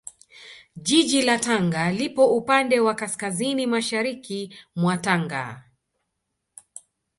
Jiji la Tanga lipo upande wa Kaskazini Mashariki mwa Tanga